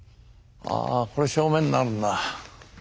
ああこれが正面になるんだ。